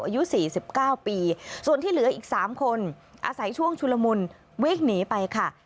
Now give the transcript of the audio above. อายุสี่สิบเก้าปีส่วนที่เหลืออีกสามคนอาศัยช่วงชุลมุลวิกหนีไปค่ะ